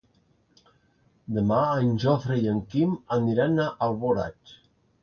Demà en Jofre i en Quim aniran a Alboraig.